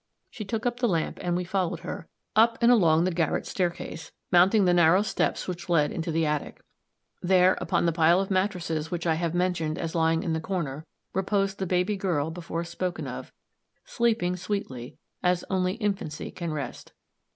She took up the lamp and we followed her; up and along the garret staircase, mounting the narrow steps which led into the attic. There, upon the pile of mattresses which I have mentioned as lying in the corner, reposed the baby girl before spoken of, sleeping sweetly, as only infancy can rest.